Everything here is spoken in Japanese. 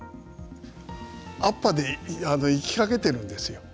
アッパーで行きかけているんですよ。